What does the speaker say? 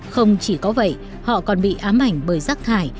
không chỉ có vậy họ còn bị ám ảnh bởi rác thải